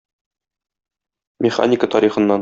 Механика тарихыннан.